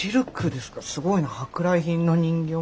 すごいな舶来品の人形。